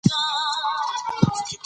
لعل د افغانانو د تفریح یوه وسیله ده.